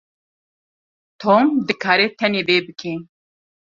Tom dikare tenê vê bike.